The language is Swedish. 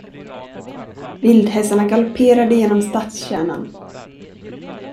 Vildhästarna galopperade genom stadskärnan.